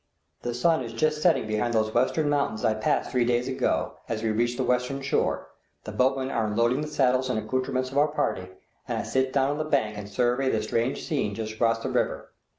The sun is just setting behind those western mountains I passed three days ago as we reach the western shore, the boatmen are unloading the saddles and accoutrements of our party, and I sit down on the bank and survey the strange scene just across the river.